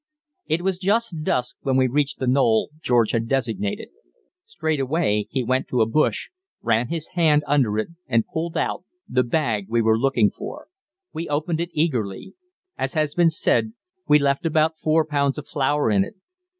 It was just dusk when we reached the knoll George had designated. Straightway he went to a bush, ran his hand under it and pulled out the bag we were looking for. We opened it eagerly. As has been said, we left about four pounds of flour in it.